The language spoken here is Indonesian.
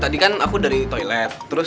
tadi kan aku dari toilet terus